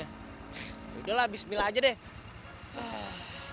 yaudahlah abis mil aja deh